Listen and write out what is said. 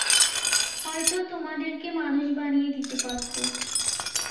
হয়তো তোমাদেরকে মানুষ বানিয়ে দিতে পারত।